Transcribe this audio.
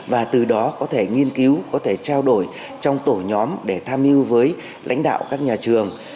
và từ đó có thể nghiên cứu có thể trao đổi trong tổ nhóm để tham mưu với lãnh đạo các nhà trường